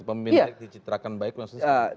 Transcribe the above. pemimpin yang dicitrakan baik maksudnya apa